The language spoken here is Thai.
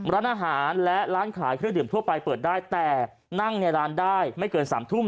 ร้านอาหารและร้านขายเครื่องดื่มทั่วไปเปิดได้แต่นั่งในร้านได้ไม่เกิน๓ทุ่ม